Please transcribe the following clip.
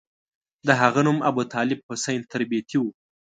د هغه نوم ابوطالب حسین تربتي وو.